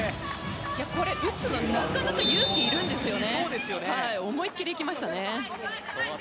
打つのなかなか勇気いるんですよね。